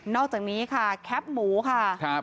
อกจากนี้ค่ะแคปหมูค่ะ